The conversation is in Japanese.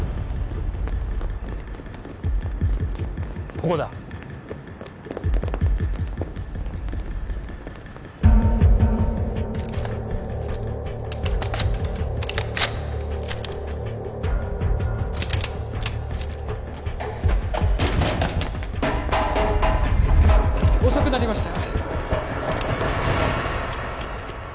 ここだ遅くなりました